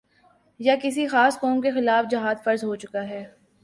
یا کسی خاص قوم کے خلاف جہاد فرض ہو چکا ہے